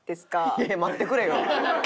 いや待ってくれよ。